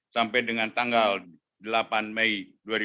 sampai dengan tanggal delapan mei dua ribu dua puluh